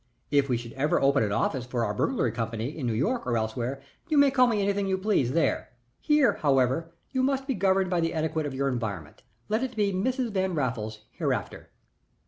If we should ever open an office for our Burglary Company in New York or elsewhere you may call me anything you please there. Here, however, you must be governed by the etiquette of your environment. Let it be Mrs. Van Raffles hereafter."